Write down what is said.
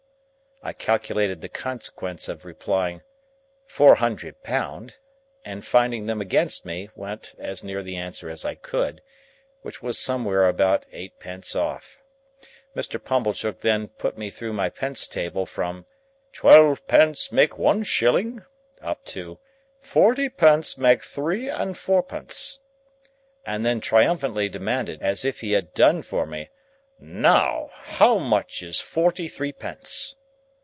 I calculated the consequences of replying "Four Hundred Pound," and finding them against me, went as near the answer as I could—which was somewhere about eightpence off. Mr. Pumblechook then put me through my pence table from "twelve pence make one shilling," up to "forty pence make three and fourpence," and then triumphantly demanded, as if he had done for me, "Now! How much is forty three pence?"